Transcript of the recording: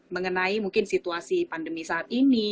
mengenai mungkin situasi pandemi saat ini